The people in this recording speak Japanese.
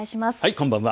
こんばんは。